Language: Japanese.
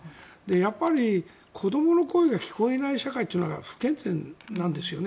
やっぱり子どもの声が聞こえない社会っていうのは不健全なんですよね。